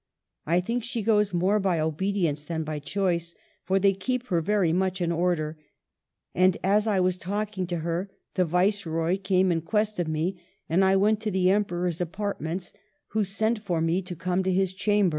I think "".he goes more by obedience than by choice, for they keep her very much in order. And as I was talking to her the Viceroy came in quest of me, and I went to the Emperor's apartments, who sent for me to come to his chamber